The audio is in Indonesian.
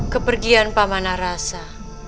kepergian pamanah rasa